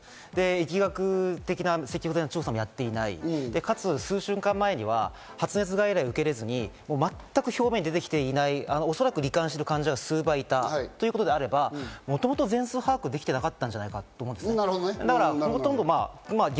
疫学的な調査もやっていない、そして発熱外来を受けられずに全く表面に出てきていない、おそらく罹患してる患者が数倍いたということであれば、もともと全数把握できてなかったんじゃないかと思うんですね。